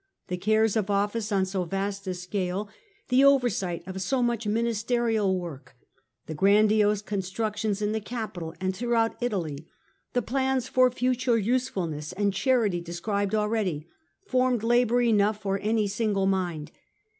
The cares of office on so vast a scale, the oversight of so much ministerial work, the grandiose constructions in the capital and throughout Italy, the plans for future usefulness and charity described already, formed labour enough for any single mind.